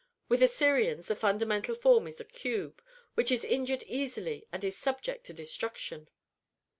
With Assyrians the fundamental form is a cube, which is injured easily and is subject to destruction.